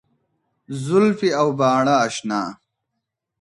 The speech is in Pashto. زلفي او باڼه اشنـا